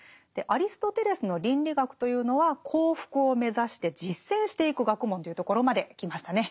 アリストテレスの倫理学というのは幸福を目指して実践していく学問というところまで来ましたね。